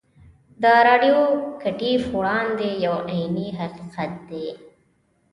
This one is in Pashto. د راډیو اکټیف وړانګې یو عیني حقیقت دی.